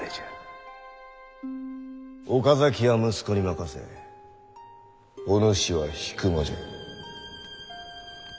岡崎は息子に任せお主は引間じゃ。